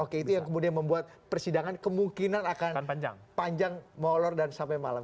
oke itu yang kemudian membuat persidangan kemungkinan akan panjang molor dan sampai malam